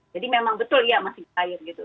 jadi memang betul ya masih cair gitu